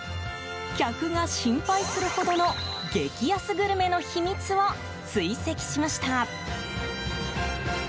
客が心配するほどの激安グルメの秘密を追跡しました。